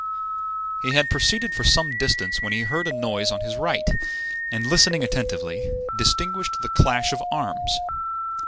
He had proceeded for some distance when he heard a noise on his right, and, listening attentively, distinguished the clash of arms.